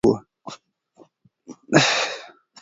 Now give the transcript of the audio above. عثمان غني په ډیر حیا او تقوا سره مشهور و.